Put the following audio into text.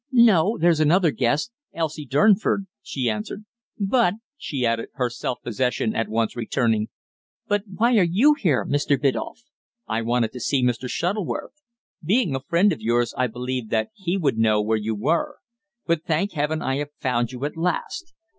"No. There's another guest Elsie Durnford," she answered. "But," she added, her self possession at once returning, "but why are you here, Mr. Biddulph?" "I wanted to see Mr. Shuttleworth. Being a friend of yours, I believed that he would know where you were. But, thank Heaven, I have found you at last.